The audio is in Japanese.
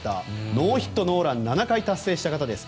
ノーヒットノーラン７回達成した方です。